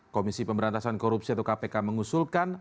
komisi pemberantasan korupsi atau kpk mengusulkan